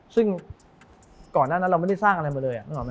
ซึ่งก่อนหน้านั้นเราไม่ได้สร้างอะไรมาเลยนึกออกไหม